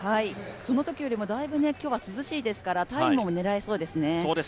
そのときよりも今日はだいぶ涼しいですからタイムも狙えそうです。